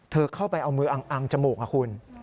เข้าไปเอามืออังจมูกนะคุณ